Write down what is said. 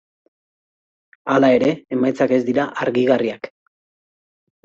Hala ere, emaitzak ez dira argigarriak.